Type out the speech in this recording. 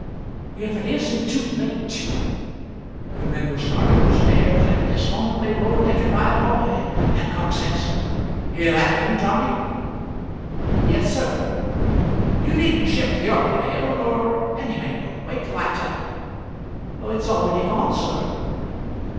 "If it isn't too late to " The men were starting up stairs; at this moment they were overtaken by a boy, and Cox asked, "Is that you, Johnny?" "Yes, sir." "You needn't ship the early mail nor any mail; wait till I tell you." "It's already gone, sir."